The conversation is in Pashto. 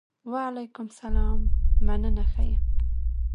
وعلیکم سلام! مننه ښۀ یم.